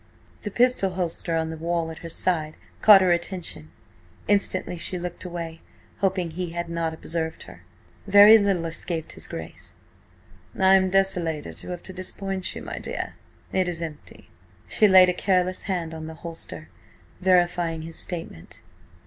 The pistol holster on the wall at her side caught her attention. Instantly she looked away, hoping he had not observed her. Very little escaped his Grace "I am desolated to have to disappoint you, my dear. It is empty." She laid a careless hand on the holster, verifying his statement.